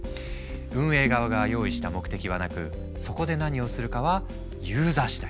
運営側が用意した目的はなくそこで何をするかはユーザー次第。